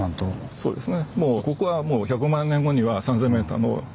そうですね